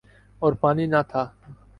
اور پانی نہ تھا۔